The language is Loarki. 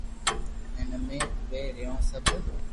ھين امي اووي رھيو سب